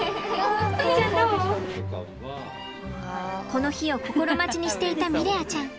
この日を心待ちにしていたミレアちゃん。